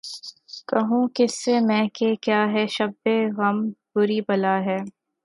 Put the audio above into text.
کہوں کس سے میں کہ کیا ہے شبِ غم بری بلا ہے